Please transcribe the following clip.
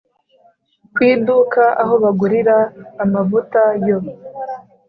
kwiduka aho bagurira amavuta yo